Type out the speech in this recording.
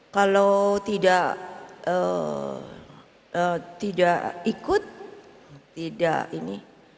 kalau tidak ikut tidak ini ya itu ada artinya ya tidak ada bersama sama